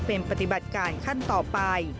เป็นปฏิบัติการขั้นต่อไป